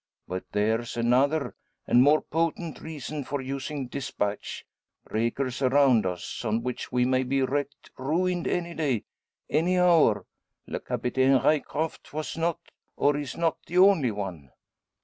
But there's another, and more potent reason, for using despatch; breakers around us, on which we may be wrecked, ruined any day any hour. Le Capitaine Ryecroft was not, or is not, the only one."